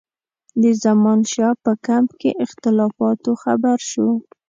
د زمانشاه په کمپ کې اختلافاتو خبر شو.